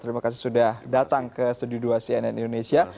terima kasih sudah datang ke studio dua cnn indonesia